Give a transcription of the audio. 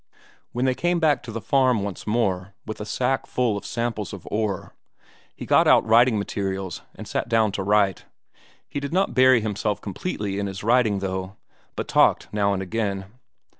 When they came back to the farm once more with a sack full of samples of ore he got out writing materials and sat down to write. He did not bury himself completely in his writing, though, but talked now and again.